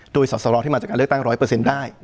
โดยสอสรที่มาจากการเลือกตั้ง๑๐๐ได้